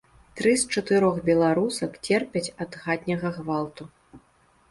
Тры з чатырох беларусак церпяць ад хатняга гвалту.